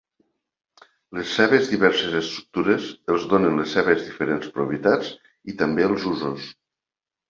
Les seves diverses estructures els donen les seves diferents propietats i també els usos.